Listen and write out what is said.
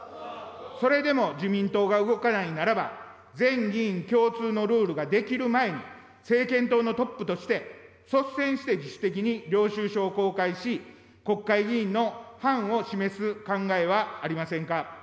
それでも自民党が動かないならば、全議員共通のルールが出来る前に、政権党のトップとして、率先して自主的に領収書を公開し、国会議員の範を示す考えはありませんか。